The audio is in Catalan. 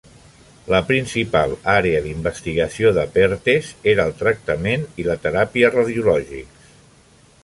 La principal àrea d'investigació de Perthes era el tractament i la teràpia radiològics.